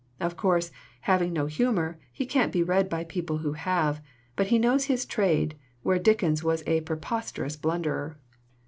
Of course, having no humor, he can't be read by people who have, but he knows his trade, where Dickens was a preposterous blunderer."